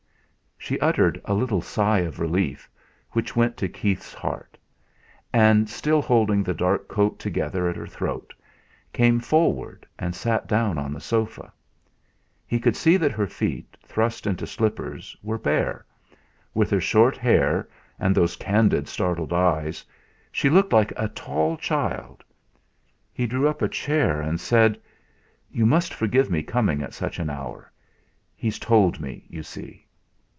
She uttered a little sigh of relief which went to Keith's heart, and, still holding the dark coat together at her throat, came forward and sat down on the sofa. He could see that her feet, thrust into slippers, were bare; with her short hair, and those candid startled eyes, she looked like a tall child. He drew up a chair and said: "You must forgive me coming at such an hour; he's told me, you see."